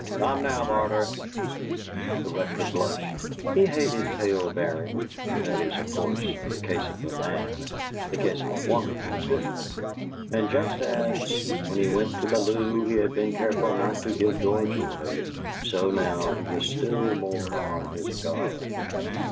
"Come now, Barter!" he said. The Rector blushed. He hated tale bearing that is, of course, in the case of a man; the case of a woman was different and just as, when he went to Bellew he had been careful not to give George away, so now he was still more on his guard.